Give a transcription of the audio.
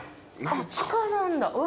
地下なんだ。